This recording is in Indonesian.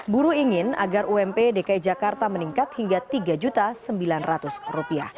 buruh ingin agar ump dki jakarta meningkat hingga rp tiga sembilan ratus